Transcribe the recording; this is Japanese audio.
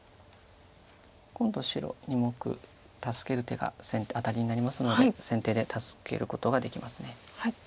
今度白２目助ける手がアタリになりますので先手で助けることができます。